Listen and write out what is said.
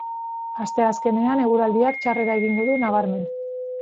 Asteazkenean eguraldiak txarrera egingo du nabarmen.